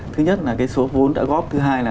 thứ nhất là cái số vốn đã góp thứ hai là